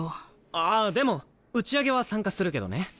ああでも打ち上げは参加するけどね。